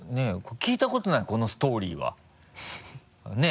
聞いたことないこのストーリーはねぇ？